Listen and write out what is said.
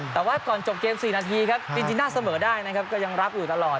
แต่ว่าก่อนจบเกม๔นาทีครับจีน่าเสมอได้นะครับก็ยังรับอยู่ตลอด